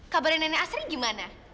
kabarnya nenek asri gimana